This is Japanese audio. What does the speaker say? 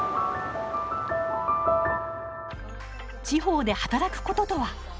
「地方で働くこととは？」